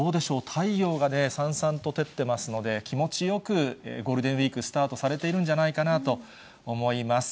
太陽がさんさんと照ってますので、気持ちよくゴールデンウィーク、スタートされているんじゃないかなと思います。